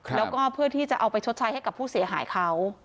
แล้วก็เพื่อที่จะเอาไปชดใช้ให้กับผู้เสียหายเขา